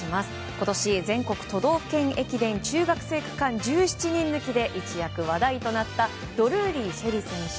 今年、全国都道府県駅伝中学生区間１７人抜きで一躍話題となったドルーリー朱瑛里選手。